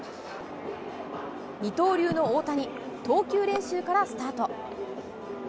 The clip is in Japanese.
二刀流の大谷、投球練習からスタート。